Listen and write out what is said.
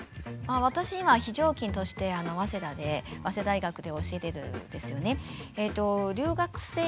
私今非常勤として早稲田で早稲田大学で教えてるんですよね。